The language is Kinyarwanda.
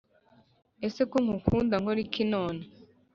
Ese ko nkukunda nkoriki none